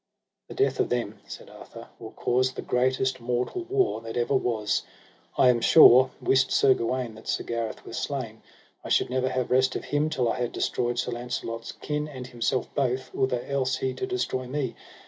The death of them, said Arthur, will cause the greatest mortal war that ever was; I am sure, wist Sir Gawaine that Sir Gareth were slain, I should never have rest of him till I had destroyed Sir Launcelot's kin and himself both, outher else he to destroy me.